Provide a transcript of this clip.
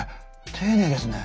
丁寧ですね。